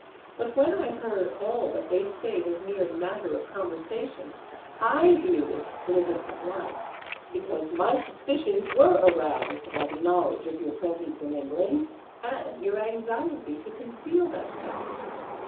But when I heard all that they state as mere matter of conversation, I viewed it in a different light, because my suspicions were aroused by the knowledge of your presence in England, and your anxiety to conceal that fact.